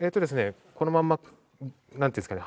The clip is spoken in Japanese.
このままなんていうんですかね